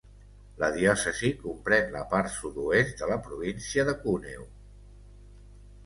La diòcesi comprèn la part sud-oest de la província de Cuneo.